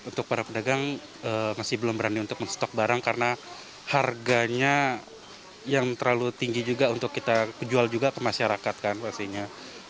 untuk para pedagang masih belum berani untuk men stok barang karena harganya yang terlalu tinggi juga untuk kita jual juga ke masyarakat kan pastinya